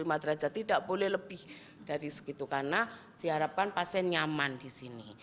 dua puluh dua sampai dua puluh lima derajat tidak boleh lebih dari segitu karena diharapkan pasien nyaman di sini